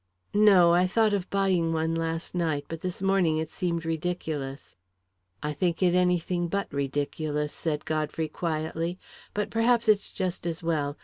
"No; I thought of buying one last night, but this morning it seemed ridiculous." "I think it anything but ridiculous," said Godfrey quietly. "But perhaps it's just as well.